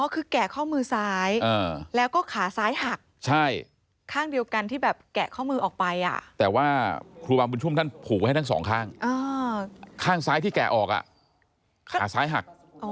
อ๋อคือแกะข้อมือซ้ายแล้วก็ขาซ้ายหัก